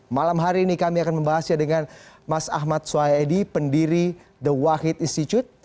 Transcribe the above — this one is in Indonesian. malam hari ini kami akan membahasnya dengan mas ahmad soedi pendiri the wahid institute